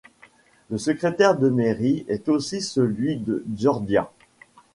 Le secrétaire de mairie est aussi celui de Ziordia.